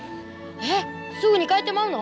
えっすぐに帰ってまうの？